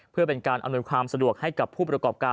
เพื่อเป็นการอำนวยความสะดวกให้กับผู้ประกอบการ